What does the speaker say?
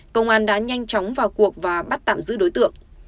công an đã nhanh chóng vào cuộc và bắt tạm giữ đối tượng